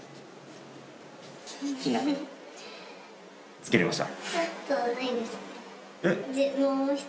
つけられました。